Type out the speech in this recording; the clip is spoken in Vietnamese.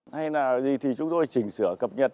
hay là gì thì chúng tôi chỉnh sửa cập nhật